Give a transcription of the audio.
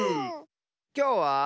きょうは。